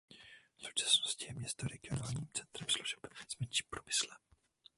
V současnosti je město regionálním centrem služeb s menším průmyslem.